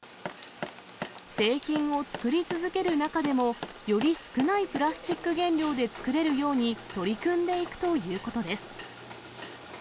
製品を作り続ける中でも、より少ないプラスチック原料で作れるように取り組んでいくということです。